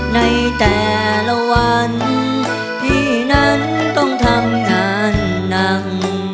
ในแต่ละวันพี่นั้นต้องทำงานหนัก